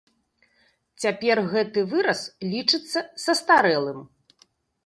Цяпер гэты выраз лічыцца састарэлым.